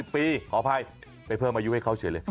ปีขออภัยไปเพิ่มอายุให้เขาเฉยเลย